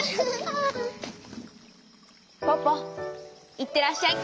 ポポいってらっしゃい！